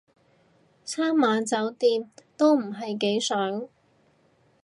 三晚酒店都唔係幾想